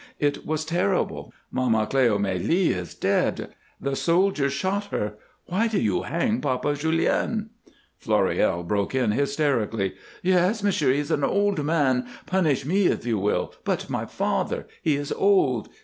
It was terrible! Mamma Cleomélie is dead the soldiers shot her. Why do you hang Papa Julien?" Floréal broke in, hysterically: "Yes, monsieur, he is an old man. Punish me if you will, but my father he is old.